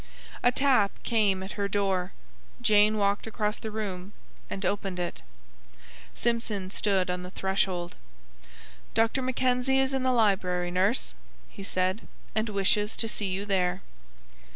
A tap came at her door. Jane walked across the room, and opened it. Simpson stood on the threshold. "Dr. Mackenzie is in the library, nurse," he said, "and wishes to see you there."